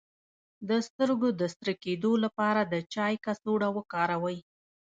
د سترګو د سره کیدو لپاره د چای کڅوړه وکاروئ